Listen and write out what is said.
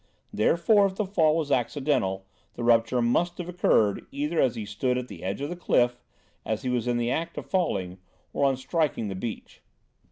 Therefore, if the fall was accidental, the rupture must have occurred either as he stood at the edge of the cliff, as he was in the act of falling, or on striking the beach.